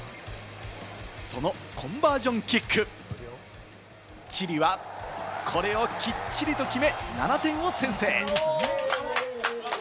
そのコンバージョンキック、チリはこれをきっちりと決め、７点を先制。